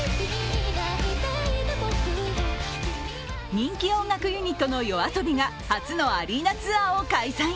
人気音楽ユニットのＹＯＡＳＯＢＩが初のアリーナツアーを開催。